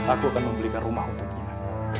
aku akan membelikan rumah untuknya